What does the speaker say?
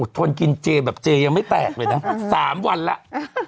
ทนกินเจแบบเจยังไม่แตกเลยนะ๓วันแล้ว